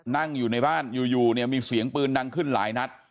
นั่งอยู่ในบ้านอยู่เนี่ยมีเสียงปืนดังขึ้นหลายนัด